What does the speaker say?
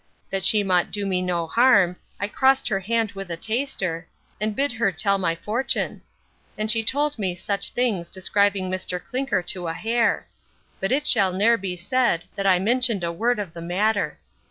That she mought do me no harm, I crossed her hand with a taster, and bid her tell my fortune; and she told me such things descriving Mr Clinker to a hair but it shall ne'er be said, that I minchioned a word of the matter.